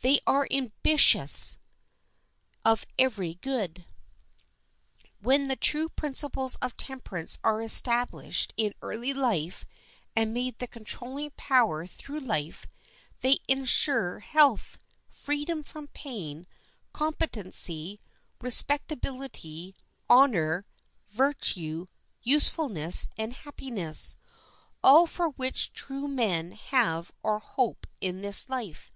They are ambitious of every good. When the true principles of temperance are established in early life and made the controlling power through life, they insure health, freedom from pain, competency, respectability, honor, virtue, usefulness, and happiness—all for which true men have or hope in this life.